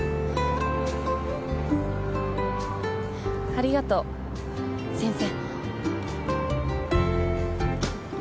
ありがとう先生。